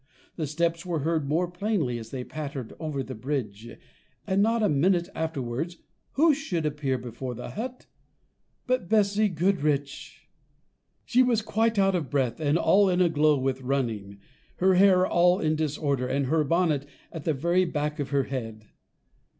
The steps were heard more plainly as they pattered over the bridge, and, not a minute afterwards, who should appear before the hut but Bessy Goodriche! She was quite out of breath and all in a glow with running; her hair all in disorder, and her bonnet at the very back of her head.